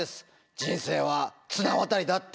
人生は綱渡りだ」って。